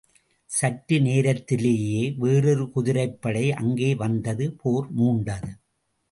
சற்று நேரத்திலேயே வேறொரு குதிரைப்படை அங்கே வந்தது போர் மூண்டது.